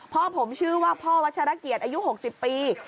พ่อผมชื่อว่าพ่อวัชรเกียรติอายุ๖๐ปี